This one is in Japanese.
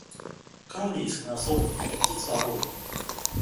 カロリー少なそうに見えて実は多い